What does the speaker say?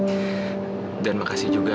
semangat disediakan saya juga